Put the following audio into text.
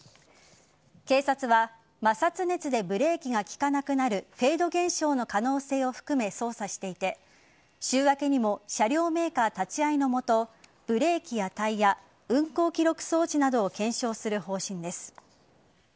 警察は摩擦熱でブレーキが利かなくなるフェード現象の可能性を含め捜査していて週明けにも車両メーカー立ち会いのもとブレーキやタイヤ運行記録装置などを検証する方針です。